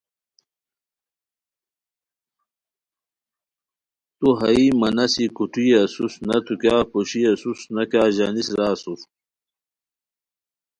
تو ہائیی مہ نسی کوٹوئی اسوس، نہ تو کیاغ پوشی اسوس نہ کیاغ ژانیس را اسور